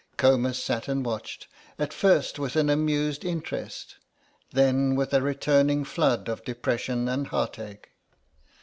Comus sat and watched, at first with an amused interest, then with a returning flood of depression and heart ache.